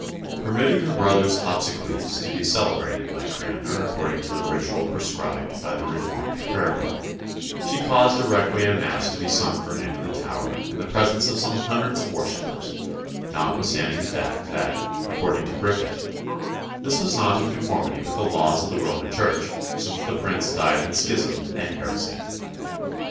Permitting her brother's obsequies to be celebrated by Cranmer according to the ritual prescribed by the reformed Prayer book, she caused a Requiem Mass to be sung for him in the Tower in the presence of some hundreds of worshippers, notwithstanding the fact that, according to Griffet, "this was not in conformity with the laws of the Roman Church, since the Prince died in schism and heresy."